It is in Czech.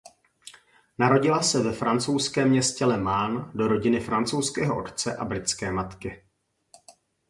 Narodila se ve francouzském městě Le Mans do rodiny francouzského otce a britské matky.